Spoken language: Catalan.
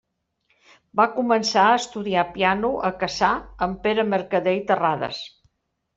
Va començar a estudiar piano a Cassà amb Pere Mercader i Terrades.